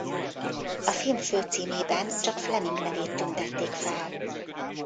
A film főcímében csak Fleming nevét tüntették fel.